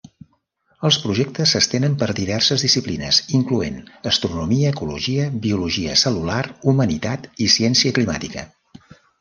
Els projectes s'estenen per diverses disciplines incloent astronomia, ecologia, biologia cel·lular, humanitat, i ciència climàtica.